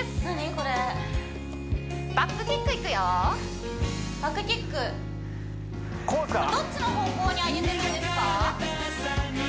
これバックキックいくよバックキックどっちの方向に上げていくんですか？